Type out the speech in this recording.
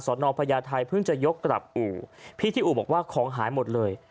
นองพญาไทยเพิ่งจะยกกลับอู่พี่ที่อู่บอกว่าของหายหมดเลย